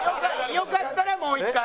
よかったらもう一回。